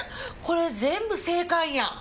これ全部正解やん。